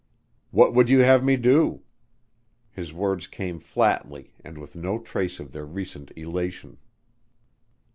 "What would you have me do?" His words came flatly and with no trace of their recent elation.